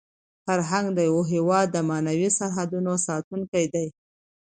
فرهنګ د یو هېواد د معنوي سرحدونو ساتونکی دی.